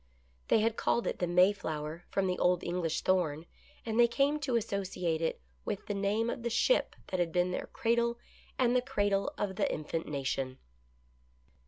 They had called it the Mayflower from the old English thorn, and they came to associate it with the name of the ship that had been their cradle and the cradle of the infant nation.